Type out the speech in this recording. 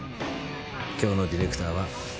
今日のディレクターは。